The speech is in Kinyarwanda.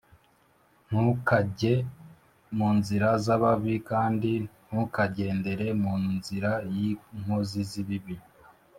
Ntukajye mu nzira z ababi j kandi ntukagendere mu nzira y inkozi z ibibi